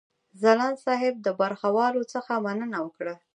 ځلاند صاحب د برخوالو څخه مننه وکړه.